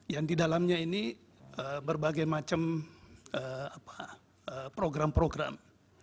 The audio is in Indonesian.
yang di dalamnya ini berbagai macam program program